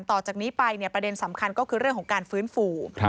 ต่อจากนี้ไปประเด็นสำคัญก็คือเรื่องของการฟื้นฟู